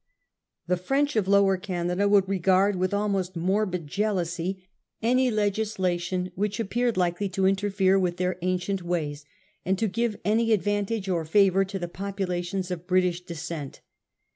The French of Lower Canada would regard with almost morbid jealousy any legis lation which appeared likely to interfere with their ancient ways and to give any advantage or favour to the populations of British descent.